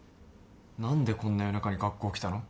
何でこんな夜中に学校来たの？